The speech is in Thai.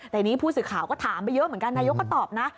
แต่ทีนี้ผู้สื่อข่าวก็ถามไปเยอะเหมือนกันนายกก็ตอบนะ